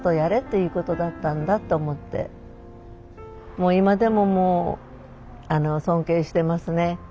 もう今でももうあの尊敬してますね。